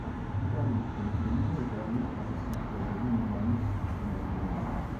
იტალიის ჩემპიონი და იტალიის თასის მფლობელი „მილანის“ შემადგენლობაში.